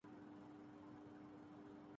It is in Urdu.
قانون کی حکمرانی تقریبا سر ے سے غائب ہے۔